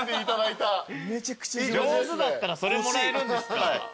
上手だったらそれもらえるんですか。